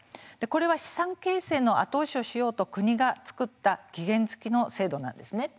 これは資産形成の後押しをしようと国が作った期限付きの制度なんですね。